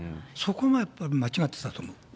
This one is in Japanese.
そこがやっぱり間違ってたと思う。